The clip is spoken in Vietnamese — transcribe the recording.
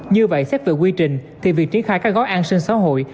như vậy xét về quy trình thì việc triển khai các gói an sinh xã hội